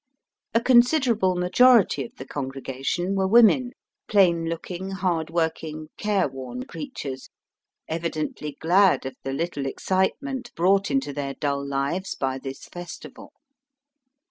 A considerable majority of the con gregation were women, plain looking, hard working, care worn creatures, evidently glad of the little excitement brought into their dull lives by this festival.